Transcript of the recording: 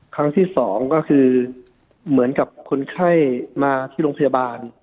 ครั้งที่สองก็คือเหมือนกับคนไข้มาที่โรงพยาบาล